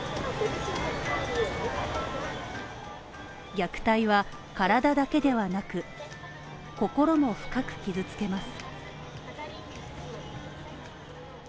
虐待は体だけではなく、心も深く傷つけます。